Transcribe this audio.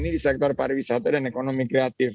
ini di sektor pariwisata dan ekonomi kreatif